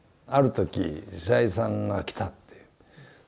ある時白井さんが来たっていう。